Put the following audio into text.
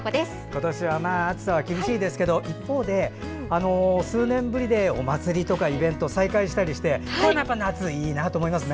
今年はまあ暑さは厳しいですけども一方で数年ぶりでお祭りとかイベントが再開したりして夏、いいなと思いますね。